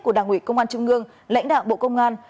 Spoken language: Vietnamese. của đảng ủy công an trung ương lãnh đạo bộ công an